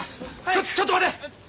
ちょちょっと待て！